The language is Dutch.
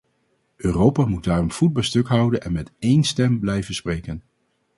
Europa moet daarom voet bij stuk houden en met één stem blijven spreken.